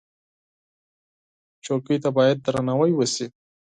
چوکۍ ته باید درناوی وشي.